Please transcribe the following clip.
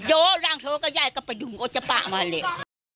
โยล่างโท๊ะก็ยายก็ไปดุงโอ้จ๊ะปะมาเลย